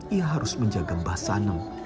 ia harus menjaga mbah sanem